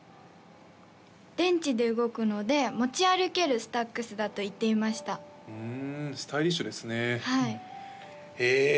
電池で動くので持ち歩けるＳＴＡＸだと言っていましたふんスタイリッシュですねえ